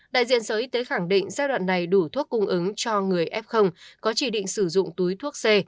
đại diện sở y tế khẳng định giai đoạn này đủ thuốc cung ứng cho người f có chỉ định sử dụng túi thuốc c